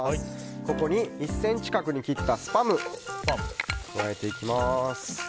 ここに１ｃｍ角に切ったスパムを加えていきます。